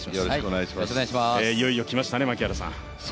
いよいよ来ましたね、槙原さん。